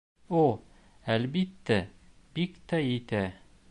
О, әлбиттә, бик тә етә!